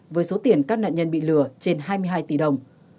với số tiền các nạn nhân bị lừa trên hai mươi hai tỷ đồng